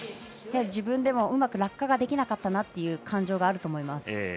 自分でもうまく落下できなかったなっていう感情があると思います。